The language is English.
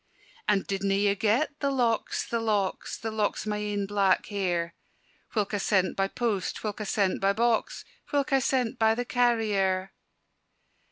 "And didna ye get the locks, the locks, The locks o' my ain black hair, Whilk I sent by post, whilk I sent by box, Whilk I sent by the carrier?"